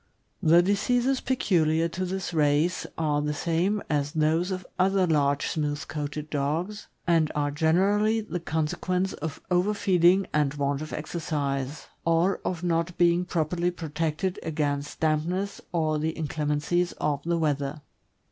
.j The diseases peculiar to this race are the same as those of other large smooth coated dogs, and are generally the consequence of overfeeding and want of exercise, or of not being properly protected against dampness or the inclem encies of the weather.